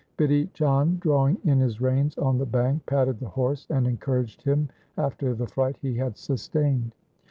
Bidhi Chand drawing in his reins on the bank patted the horse, and encouraged him after the fright he had sustained.